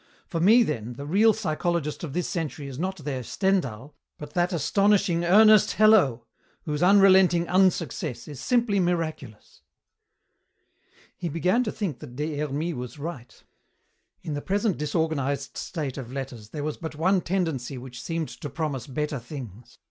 For me, then, the real psychologist of this century is not their Stendhal but that astonishing Ernest Hello, whose unrelenting unsuccess is simply miraculous!" He began to think that Des Hermies was right. In the present disorganized state of letters there was but one tendency which seemed to promise better things.